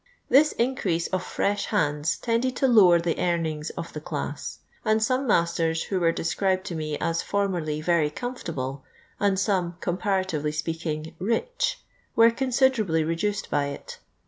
This increase of fresh liands tended to lower the earnings of the class ; and some masters, who were described to me us formerly Tery "comfortable," and some, comparatively speaking, rich, were considerably reduced by it.